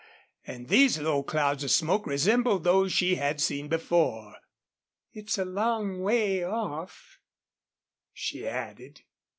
And these low clouds of smoke resembled those she had seen before. "It's a long way off," she added.